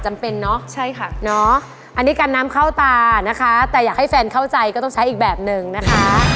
เนอะใช่ค่ะเนาะอันนี้กันน้ำเข้าตานะคะแต่อยากให้แฟนเข้าใจก็ต้องใช้อีกแบบหนึ่งนะคะ